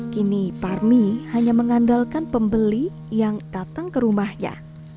kini parmi hanya mengandalkan pembeli yang datang ke rumahnya